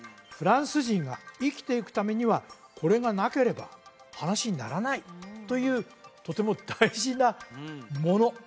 フランス人が生きていくためにはこれがなければ話にならないというとても大事なもの